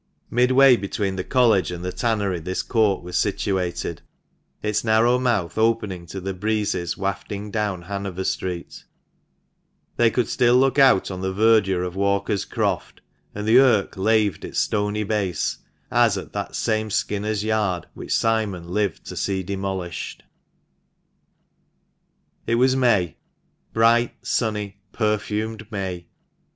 Midway between the College and the tannery this court was situated, its narrow mouth opening to the breezes wafting down Hanover Street ; they could still look out on the verdure of Walker's Croft, and the Irk laved its stony base as at that same Skinners' Yard, which Simon lived to see demolished. It was May ; bright, sunny, perfumed May.